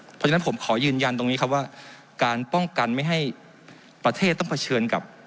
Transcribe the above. เพราะฉะนั้นผมขอยืนยันตรงนี้ครับว่าการป้องกันไม่ให้ประเทศต้องเผชิญกับ